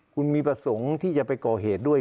คุณมีประสงค์ที่จะไปก่อเหตุด้วย